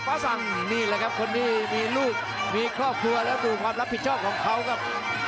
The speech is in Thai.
สั่งนี่แหละครับคนที่มีลูกมีครอบครัวแล้วดูความรับผิดชอบของเขาครับ